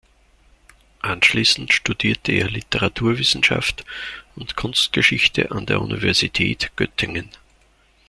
Anschließend studierte er Literaturwissenschaft und Kunstgeschichte an der Universität Göttingen.